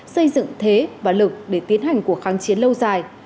xây dựng thế và lực để tiến hành cuộc kháng chiến lâu dài